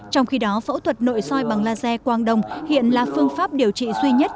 trong khi đó phẫu thuật nội soi bằng laser quang đông hiện là phương pháp điều trị duy nhất